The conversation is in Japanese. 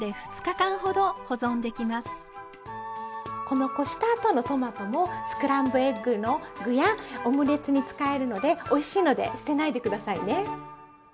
このこした後のトマトもスクランブルエッグの具やオムレツに使えるのでおいしいので捨てないで下さいね。